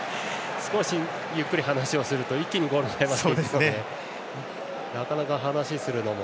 少しゆっくり話をすると一気にゴール前まで行くので。